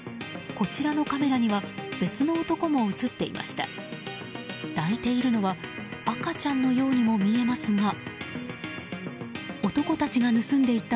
こちらのカメラには別の男も映っていました。